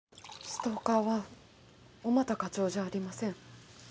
ストーカーは小俣課長じゃありません。